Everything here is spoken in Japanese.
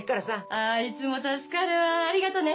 あいつも助かるわ。ありがとね。